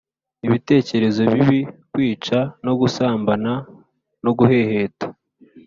ibitekerezo bibi kwica no gusambana no guheheta